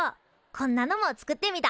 こんなのも作ってみた。